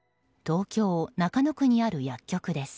東京・中野区にある薬局です。